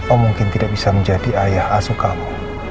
oh mungkin tidak bisa menjadi ayah asuh kamu